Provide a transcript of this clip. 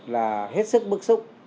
là hết sức bức xúc